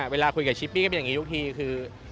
เวลาคุยกับชิปปี้ก็เป็นอย่างนี้ทุกทีคือ